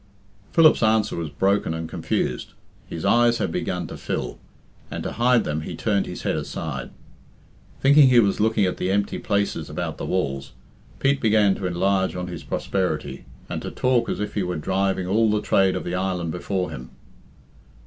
Philip's answer was broken and confused. His eyes had begun to fill, and to hide them he turned his head aside. Thinking he was looking at the empty places about the walls, Pete began to enlarge on his prosperity, and to talk as if he were driving all the trade of the island before him.